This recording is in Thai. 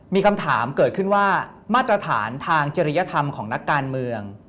มีคำถามเกิดขึ้นว่ามาตรฐานทางจริยธรรมของนักการเมือง